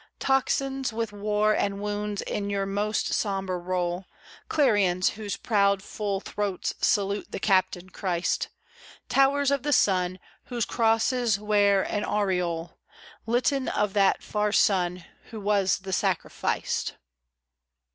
Tocsins with war and wounds in your most sombre roll; Clarions whose proud, full throats salute the captain Christ; Towers of the sun, whose crosses wear an aureole Litten of that far Sun Who was the Sacrificed.